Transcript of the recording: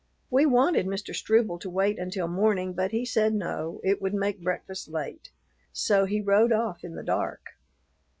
We wanted Mr. Struble to wait until morning, but he said no, it would make breakfast late; so he rode off in the dark.